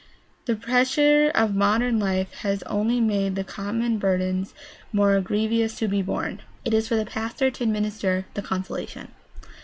The pressure of modern life has only made the common burdens more grievous to be borne. It is for the pastor to administer the consolation.